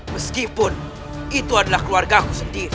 meskipun itu adalah keluarga aku sendiri